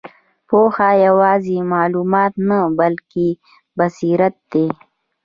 پوهه یوازې معلومات نه، بلکې بصیرت دی.